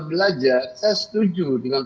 belajar saya setuju dengan